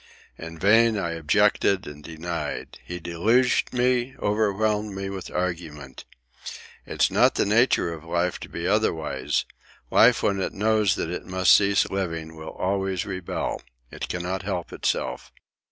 In vain I objected and denied. He deluged me, overwhelmed me with argument. "It's not the nature of life to be otherwise. Life, when it knows that it must cease living, will always rebel. It cannot help itself.